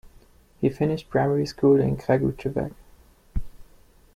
He finished primary school in Kragujevac.